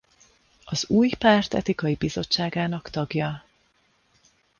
Az új párt etikai bizottságának tagja.